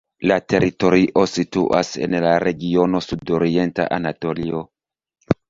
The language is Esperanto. La teritorio situas en la regiono Sudorienta Anatolio.